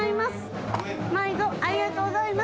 ありがとうございます。